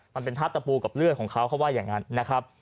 มันเป็นทาตะปูกับเลือดของเขาเขาว่าอย่างนั้นนะครับ